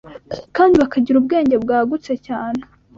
kandi bakagira ubwenge bwagutse cyane.